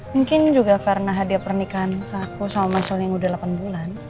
mungkin juga karena hadiah pernikahan sehaku sama mas soling udah delapan bulan